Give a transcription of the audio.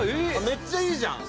めっちゃいいじゃん！